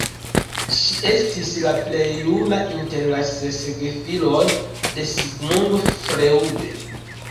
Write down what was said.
Ŝi estis la plej juna inter la ses gefiloj de Sigmund Freud.